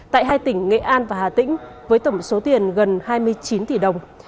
tại hai tỉnh nghệ an và hà tĩnh với tổng số tiền gần hai mươi chín tỷ đồng